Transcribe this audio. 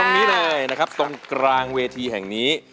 ตรงนี้เลยนะครับตรงกลางเวทีแห่งนี้